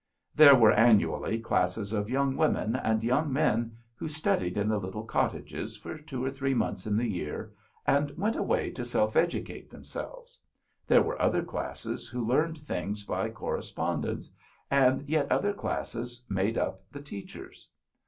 There were annually classes of young women and young men who studied in the little cottages for two or three months in the year and went away to self educate themselves. There were other classes who learned things by correspondence, and yet other <5lasses made up the teachers.